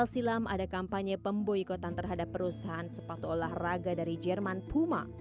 dua ribu delapan belas silam ada kampanye pemboykotan terhadap perusahaan sepatu olahraga dari jerman puma